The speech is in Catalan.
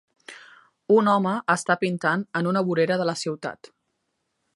Un home està pintant en una vorera de la ciutat.